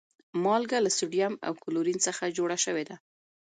مالګه له سودیم او کلورین څخه جوړه شوی ده